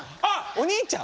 お兄ちゃん？